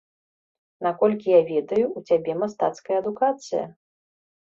Наколькі я ведаю, у цябе мастацкая адукацыя.